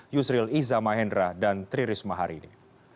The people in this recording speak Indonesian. yusril iza mahendra dan tri risma hari ini